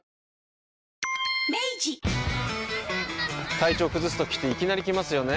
体調崩すときっていきなり来ますよね。